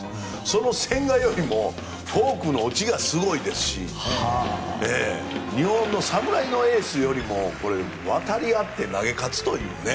その千賀よりもフォークの落ちがすごいですし日本の侍のエースと渡り合って投げ勝つというね。